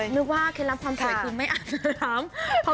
นึกว่าเคล็ดลับความสวยคือไม่อาบน้ำ